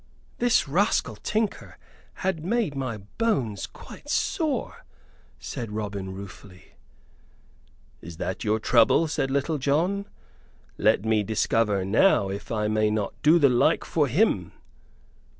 "This rascal tinker had made my bones quite sore," said Robin, ruefully. "Is that your trouble?" said Little John. "Let me discover now if I may not do the like for him."